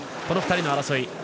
この２人の争い。